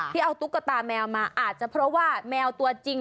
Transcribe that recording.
ที่เอาตุ๊กตาแมวมาอาจจะเพราะว่าแมวตัวจริง